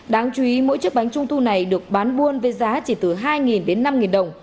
đáng chú ý mỗi chiếc bánh trung thu này được bán buôn với giá chỉ từ hai đến năm đồng